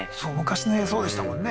そうでしたもんね